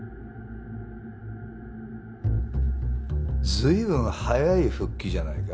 随分早い復帰じゃないか？